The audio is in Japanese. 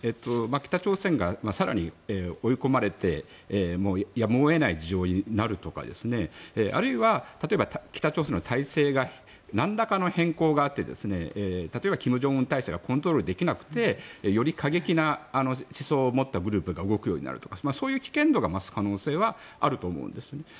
北朝鮮が更に追い込まれてやむを得ない事情になるとかあるいは例えば北朝鮮の体制がなんらかの変更があって例えば、金正恩体制がコントロールできなくてより過激な思想を持ったグループが動くようになるとかそういう危険度が増す可能性はあると思うんですね。